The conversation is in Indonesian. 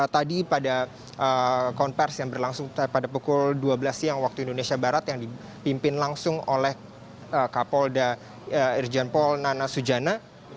tadi pada konversi yang berlangsung pada pukul dua belas siang waktu indonesia barat yang dipimpin langsung oleh kapolda irjen paul nana sujana